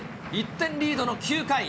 １点リードの９回。